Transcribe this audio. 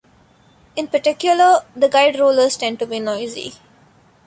In particular, the guide rollers tend to be noisy.